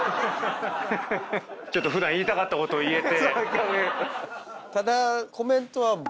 ちょっと普段言いたかったことを言えて。